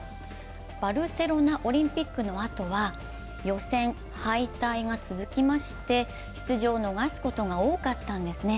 バルセロナオリンピックのあとは予選敗退が続きまして、出場を逃すことが多かったんですね。